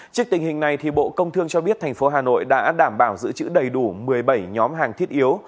trước tình hình này bộ công thương cho biết thành phố hà nội đã đảm bảo giữ chữ đầy đủ một mươi bảy nhóm hàng thiết yếu